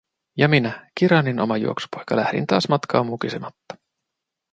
Ja minä, Kiranin oma juoksupoika, lähdin taas matkaan mukisematta.